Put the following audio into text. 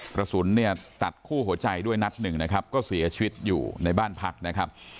กระสุนเนี่ยตัดคู่หัวใจด้วยนัดหนึ่งนะครับก็เสียชีวิตอยู่ในบ้านพักนะครับ